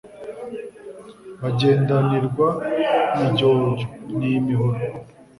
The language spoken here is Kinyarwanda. bagendanirwa mijyojyo, ni imihoro